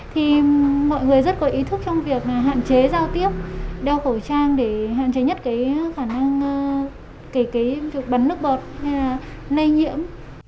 thì mọi người rất có ý thức trong việc hạn chế giao tiếp đeo khẩu trang để hạn chế nhất cái khả năng kể cái việc bắn nước bọt hay là lây nhiễm